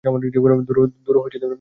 ধূরো, miss হয়ে গেলো।